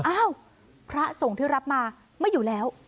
อ้าวพระสงฆ์ที่รับมาไม่อยู่แล้ว